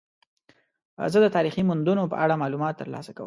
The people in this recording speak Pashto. زه د تاریخي موندنو په اړه معلومات ترلاسه کوم.